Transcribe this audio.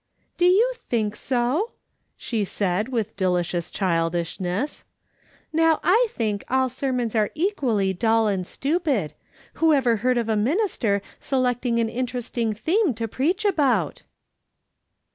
" Do you think so ?" she said, with delicious childishness. " Xow I think all sermons are equally dull and stupid. Whoever heard of a minister selecting an interesting theme to preach about